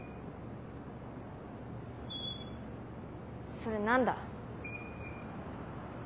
それ何だ？